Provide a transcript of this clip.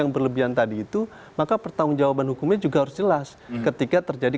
berlebihan tadi itu maka pertanggungjawaban hukumnya juga harus jelas ketika terjadi